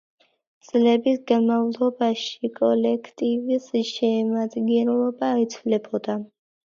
წლების განმავლობაში კოლექტივის შემადგენლობა იცვლებოდა.